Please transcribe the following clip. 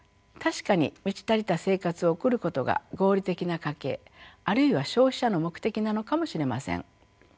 確かに満ち足りた生活を送ることが合理的な家計あるいは消費者の目的なのかもしれません。